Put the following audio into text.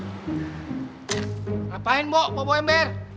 kenapa lo bawa ember